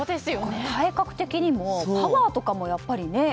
体格的にもパワーとかやっぱりね。